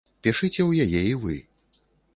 Пішыце ў яе і вы.